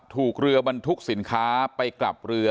ถูกเรือบรรทุกสินค้าไปกลับเรือ